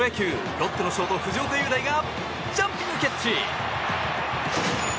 ロッテのショート、藤岡裕大がジャンピングキャッチ！